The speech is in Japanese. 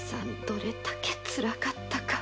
どれだけつらかったか。